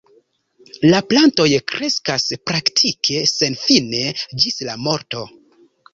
La plantoj kreskas praktike senfine, ĝis la morto.